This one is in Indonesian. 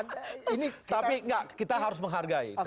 tapi kita harus menghargai